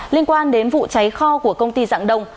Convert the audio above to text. liên quan đến vụ cháy kho của công ty giảng đồng